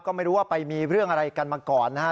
ก็ไม่รู้ว่าไปมีเรื่องอะไรกันมาก่อนนะฮะ